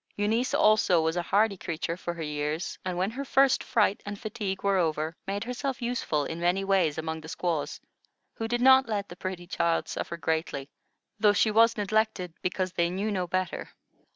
Eunice also was a hardy creature for her years, and when her first fright and fatigue were over, made herself useful in many ways among the squaws, who did not let the pretty child suffer greatly; though she was neglected, because they knew no better.